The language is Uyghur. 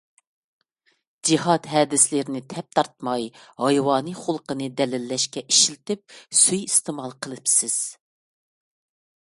جىھاد ھەدىسلىرىنى تەپتارتماي ھايۋانىي خۇلقىنى دەلىللەشكە ئىشلىتىپ سۇيىئىستېمال قىلىپسىز.